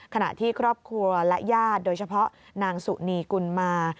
ขณะที่ครอบครัวและญาติโดยเฉพาะนางสุนีกุลมา